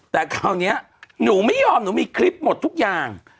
แต่คราวนี้หนูไม่ยอมหนูมีคลิปหมดทุกอย่าง